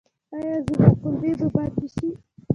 ایا زما کولمې به بندې شي؟